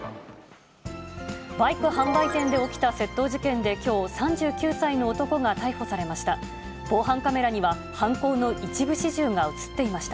バイク販売店で起きた窃盗事件できょう、３９歳の男が逮捕されました。